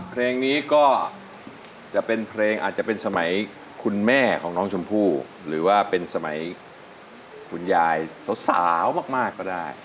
เพลงนี้ก็จะเป็นเพลงอาจจะเป็นสมัยคุณแม่ของน้องชมพู่หรือว่าเป็นสมัยคุณยายสาวมากก็ได้